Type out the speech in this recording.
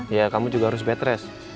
iya kamu juga harus bed rest